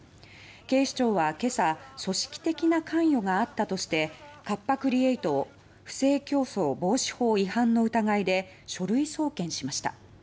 警視庁は今朝組織的な関与があったとしてカッパ・クリエイトを不正競争防止法違反の疑いで書類送検しました。